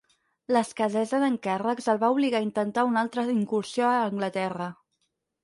L'escassesa d'encàrrecs el va obligar a intentar una altra incursió a Anglaterra.